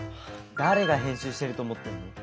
誰が編集してると思ってんの？